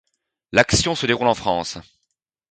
L'action se déroule en France.